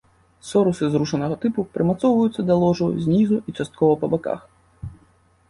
Сорусы зрушанага тыпу, прымацоўваюцца да ложу знізу і часткова па баках.